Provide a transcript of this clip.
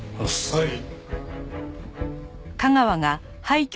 はい。